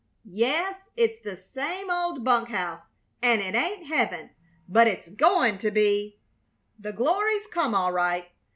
"Yes, it's the same old bunk house, and it ain't heaven, but it's goin' to be. The glory's come all right.